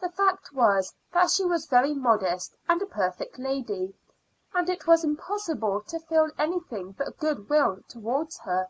The fact was that she was very modest and a perfect lady, and it was impossible to feel anything but good will towards her.